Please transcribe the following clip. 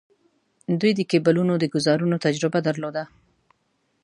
دوی د کیبلونو د ګوزارونو تجربه درلوده.